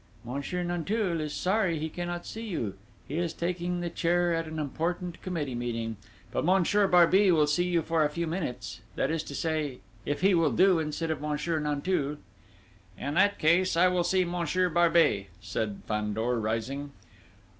"Monsieur Nanteuil is sorry he cannot see you, he is taking the chair at an important committee meeting; but Monsieur Barbey will see you for a few minutes, that is to say, if he will do instead of Monsieur Nanteuil." "In that case, I will see Monsieur Barbey," said Fandor, rising.